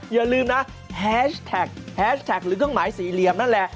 อย่าลืมนะแฮชแท็กแฮชแท็กหรือเครื่องหมายสี่เหลี่ยมนั่นแหละ